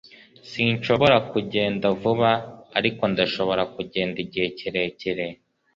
sinshobora kugenda vuba, ariko ndashobora kugenda igihe kirekire